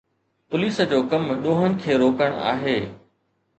Police جو ڪم ڏوهن کي روڪڻ آهي.